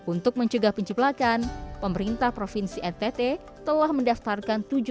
untuk mencegah penceplakan pemerintah provinsi ntt telah mendaftarkan